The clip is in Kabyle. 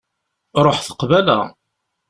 Ruḥet qbala.